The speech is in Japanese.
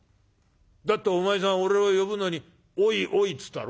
だってお前さん俺を呼ぶのに『おいおい』っつったろ。